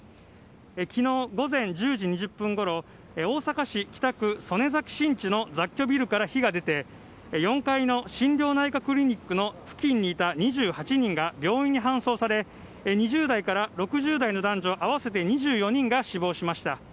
昨日午前１０時２０分ごろ大阪市北区曽根崎新地の雑居ビルから火が出て４階の心療内科クリニックの付近にいた２８人が病院に搬送され２０代から６０代の男女合わせて２４人が死亡しました。